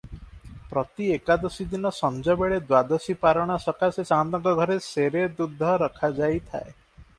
ପ୍ରତି ଏକାଦଶୀଦିନ ସଞ୍ଜବେଳେ ଦ୍ଵାଦଶୀ ପାରଣା ସକାଶେ ସାଆନ୍ତଙ୍କ ଘରେ ସେରେ ଦୁଧ ରଖାଯାଇଥାଏ ।